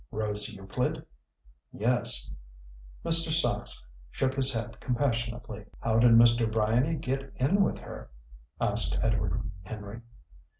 "Rose Euclid?" "Yes." Mr. Sachs shook his head compassionately. "How did Mr. Bryany get in with her?" asked Edward Henry.